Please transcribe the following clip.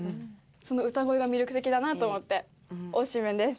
その歌声が魅力的だなと思って推しメンです。